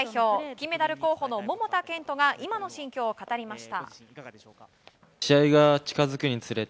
金メダル候補の桃田賢斗が今の心境を語りました。